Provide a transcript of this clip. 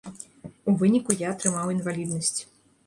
У выніку я атрымаў інваліднасць.